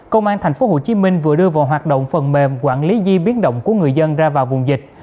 công an tp hcm vừa đưa vào hoạt động phần mềm quản lý di biến động của người dân ra vào vùng dịch